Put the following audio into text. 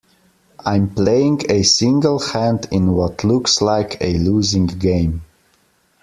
I'm playing a single hand in what looks like a losing game.